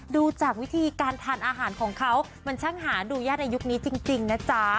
ดูจากวิธีการทานอาหารของเขามันช่างหาดูยากในยุคนี้จริงนะจ๊ะ